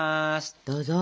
どうぞ。